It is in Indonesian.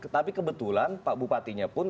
tapi kebetulan pak bupatinya pun